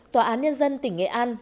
tòa án nhân dân tỉnh nghệ an